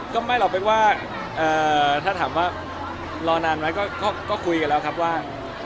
ก็ไม่หรอกเป๊กว่าถ้าถามว่ารอนานไหมก็คุยกันแล้วครับว่า